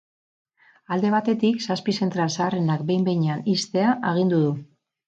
Alde batetik zazpi zentral zaharrenak behin behinean ixtea agindu du.